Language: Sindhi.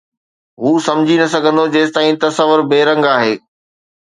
هو سمجھي نه سگھندو جيستائين تصور بي رنگ آهي